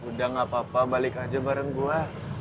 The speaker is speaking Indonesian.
udah gapapa balik aja bareng gua